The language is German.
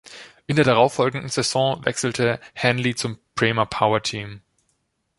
In der darauffolgenden Saison wechselte Hanley zum Prema Powerteam.